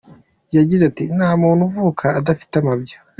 Yagize ati “ Nta muntu uvuka adafite amabya.